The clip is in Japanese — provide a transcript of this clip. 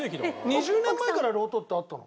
２０年前からロトってあったの？